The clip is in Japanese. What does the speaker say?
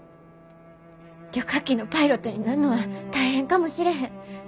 旅客機のパイロットになんのは大変かもしれへん。